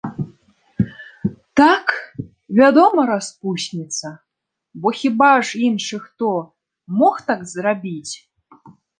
Так, вядома, распусніца, бо хіба ж іншы хто мог так зрабіць?